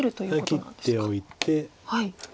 切っておいて。